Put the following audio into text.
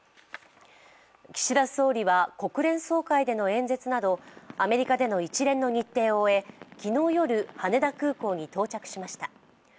岸田総理は国連総会での演説などアメリカでの一連の日程を終え昨日夜、羽田空港に到着しました。